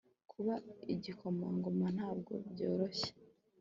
kuba igikomangoma ntabwo byoroshye